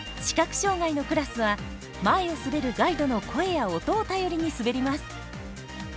視覚障がいのクラスは前を滑るガイドの声や音を頼りに滑ります。